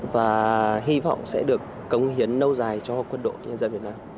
và hy vọng sẽ được cống hiến lâu dài cho quân đội nhân dân việt nam